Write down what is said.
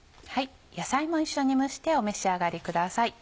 野菜も一緒に蒸してお召し上がりください。